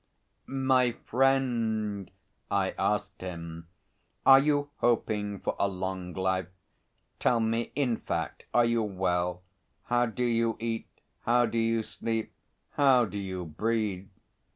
"My friend," I asked him, "are you hoping for a long life? Tell me, in fact, are you well? How do you eat, how do you sleep, how do you breathe?